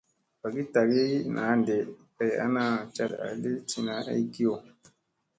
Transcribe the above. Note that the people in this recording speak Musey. Vaagi tagi naa ɗee kay ana caɗ a li tina ay kiyo.